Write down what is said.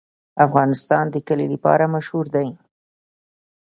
افغانستان د کلي لپاره مشهور دی.